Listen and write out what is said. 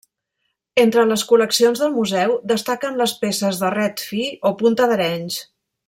Entre les col·leccions del Museu destaquen les peces de ret fi o punta d'Arenys.